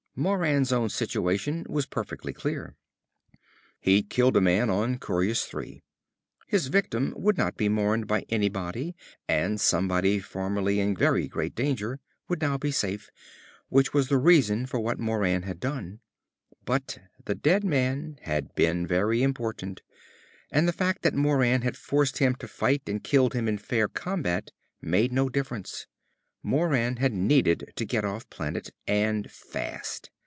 Moran's own situation was perfectly clear. He'd killed a man on Coryus III. His victim would not be mourned by anybody, and somebody formerly in very great danger would now be safe, which was the reason for what Moran had done. But the dead man had been very important, and the fact that Moran had forced him to fight and killed him in fair combat made no difference. Moran had needed to get off planet, and fast.